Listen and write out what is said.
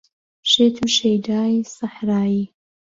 شێت و شەیدای سەحرایی